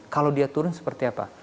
kalau dia turun seperti apa